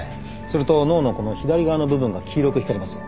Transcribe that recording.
すると脳のこの左側の部分が黄色く光ります。